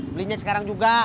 belinya sekarang juga